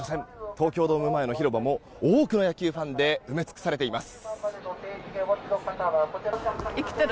東京ドーム前の広場も多くの野球ファンで埋め尽くされています。